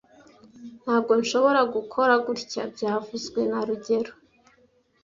Ntabwo nshobora gukora gutya byavuzwe na rugero